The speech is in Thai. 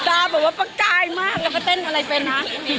ตาบอกว่าประกายมากแล้วก็เต้นอะไรเป็นนะ